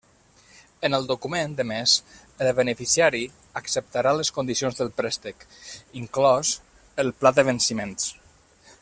En el document emés el beneficiari acceptarà les condicions del préstec, inclòs el pla de venciments.